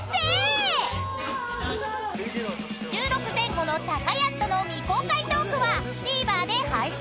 ［収録前後のたかやんとの未公開トークはＴＶｅｒで配信。